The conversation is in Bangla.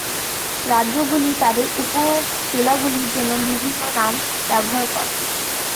রাজ্যগুলি তাদের উপ-জেলাগুলির জন্য বিভিন্ন নাম ব্যবহার করে।